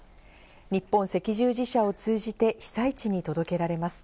日本赤十字社を通じて、被災地に届けられます。